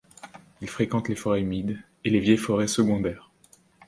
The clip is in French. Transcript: Il fréquente les forêts humides et les vieilles forêts secondaires.